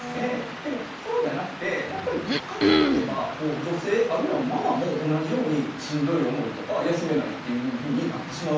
けどそうじゃなくて考えてみれば女性あるいはママも同じようにしんどい思いとか休めないっていうふうになってしまうわけですよね。